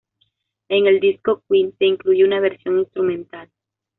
En el disco "Queen" se incluye una versión instrumental.